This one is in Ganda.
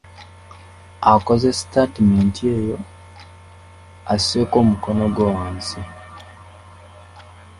Akoze sitaatimenti eyo, asseeko omukono gwe wansi.